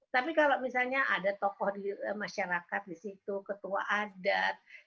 tapi kalau misalnya ada tokoh di masyarakat di situ ketua adat